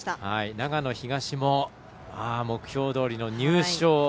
長野東も目標どおりの入賞。